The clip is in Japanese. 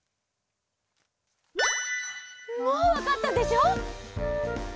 もうわかったでしょ？